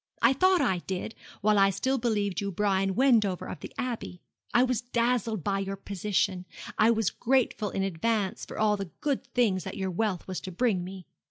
I thought I did while I still believed you Brian Wendover of the Abbey. I was dazzled by your position; I was grateful in advance for all the good things that your wealth was to bring me.